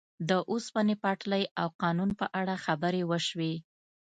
د اوسپنې پټلۍ او قانون په اړه خبرې وشوې.